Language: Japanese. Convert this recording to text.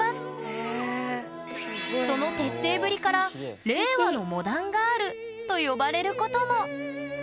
その徹底ぶりから「令和のモダンガール」と呼ばれることも。